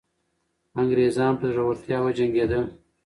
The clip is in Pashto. انګریزان په زړورتیا وجنګېدل.